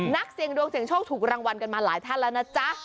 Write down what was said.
นักเสี่ยงดวงเสียงโชคถูกรางวัลกันมาหลายท่านแล้วนะจ๊ะ